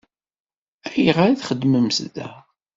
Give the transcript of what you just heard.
Ayɣer i txeddmemt da?